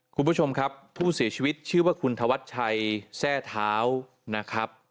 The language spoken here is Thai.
คุณผู้ชมครับผู้เสียชีวิตชื่อว่าคุณธวัชชัยแทร่เท้านะครับ